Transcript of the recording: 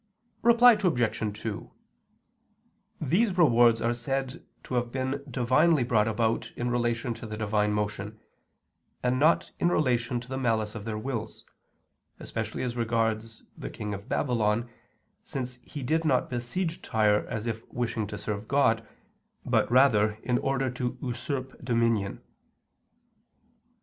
Reply Obj. 2: These rewards are said to have been divinely brought about in relation to the Divine motion, and not in relation to the malice of their wills, especially as regards the King of Babylon, since he did not besiege Tyre as if wishing to serve God, but rather in order to usurp dominion.